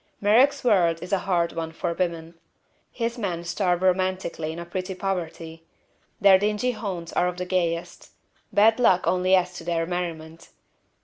Merrick's world is a hard one for women. His men starve romantically in a pretty poverty. Their dingy haunts are of the gayest. Bad luck only adds to their merriment.